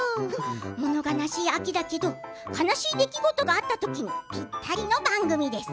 もの悲しい、秋だけど悲しい出来事があったときにぴったりの番組です。